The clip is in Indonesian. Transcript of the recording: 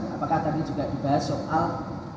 apakah tadi juga dibahas soal